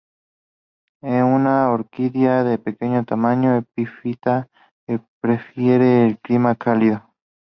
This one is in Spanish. E una orquídea de pequeño tamaño, epífita, que prefiere el clima cálido.